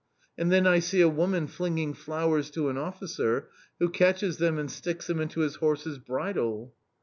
And then I see a woman flinging flowers to an officer, who catches them and sticks them into his horse's bridle.